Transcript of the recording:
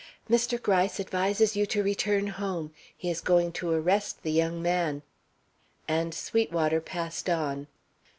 "Mr. Gryce advises you to return home. He is going to arrest the young man." And Sweetwater passed on.